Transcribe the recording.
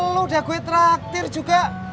lo udah gue traktir juga